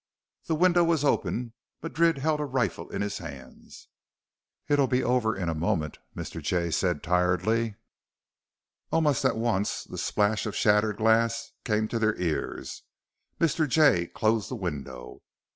The window was open. Madrid held a rifle in his hands. "It'll be over in a moment," Mr. Jay said tiredly. Almost at once, the splash of shattered glass came to their ears. Mr. Jay closed the window.